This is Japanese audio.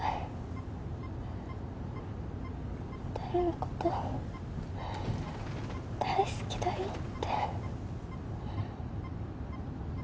２人のこと大好きだよって。